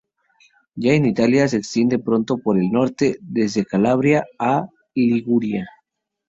Ya en Italia, se extiende pronto por el norte, desde Calabria a Liguria.